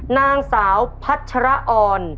นางสาวพัชระออน